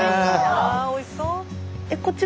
あおいしそう。